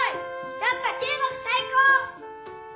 やっぱ中国さい高！